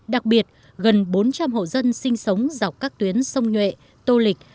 đặc biệt gần bốn trăm linh hộ dân sinh sống dọc các tuyến sông nhuệ tô lịch